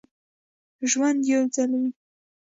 ژوند یو ځل وي